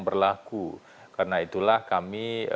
berlaku karena itulah kami